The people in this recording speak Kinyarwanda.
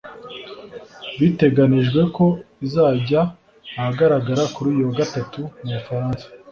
biteganijwe ko izajya ahagaragara kuri uyu wa gatatu mu Bufaransa